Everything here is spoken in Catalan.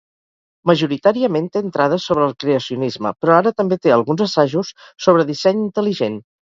Majoritàriament té entrades sobre el creacionisme, però ara també té alguns assajos sobre "disseny intel·ligent".